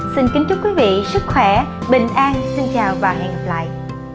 xin kính chúc quý vị sức khỏe bình an xin chào và hẹn gặp lại